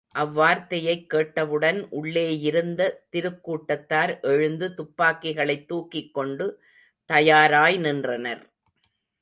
அவ்வார்த்தையைக் கேட்டவுடன் உள்ளேயிருந்த திருக் கூட்டத்தார் எழுந்து துப்பாக்கிகளைத் துக்கிக் கொண்டு தயாராய்நின்றனர்.